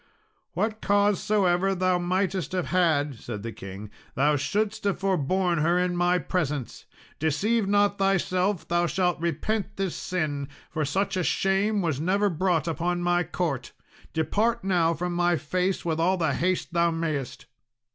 "What cause soever thou mightest have had," said the king, "thou shouldst have forborne her in my presence. Deceive not thyself, thou shalt repent this sin, for such a shame was never brought upon my court; depart now from my face with all the haste thou mayest."